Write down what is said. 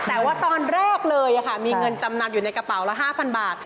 แต่ว่าตอนแรกเลยมีเงินจำนำอยู่ในกระเป๋าละ๕๐๐บาท